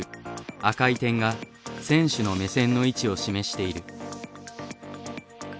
赤い点が選手の目線の位置を示している。